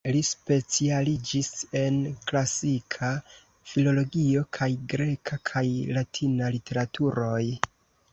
Li specialiĝis en Klasika Filologio kaj greka kaj latina literaturoj.